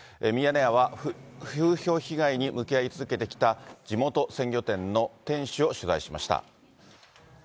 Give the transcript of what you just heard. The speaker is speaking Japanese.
ミヤネ屋は、風評被害に向き合い続けてきた、地元鮮魚店の店主を取材しました。